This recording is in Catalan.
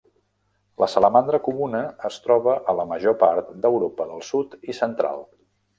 La salamandra comuna es troba a la major part d'Europa del sud i central.